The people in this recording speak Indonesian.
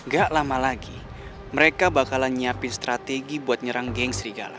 gak lama lagi mereka bakalan nyiapin strategi buat nyerang geng serigala